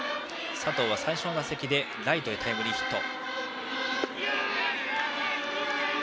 佐藤は最初の打席でライトへタイムリーヒット。